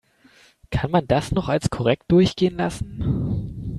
Kann man das noch als korrekt durchgehen lassen?